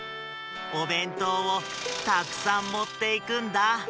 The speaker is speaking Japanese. おべんとうをたくさんもっていくんだ。